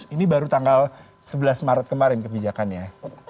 ini baru tanggal sebelas maret kemarin kebijakannya